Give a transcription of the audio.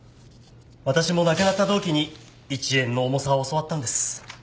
私も亡くなった同期に１円の重さを教わったんです。